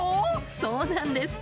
そうなんです。